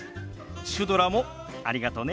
シュドラもありがとね。